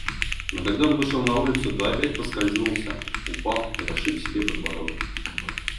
Но когда он вышел на улицу, то опять поскользнулся, упал и расшиб себе подбородок.